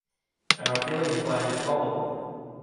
And I’m feeling inclined to follow them.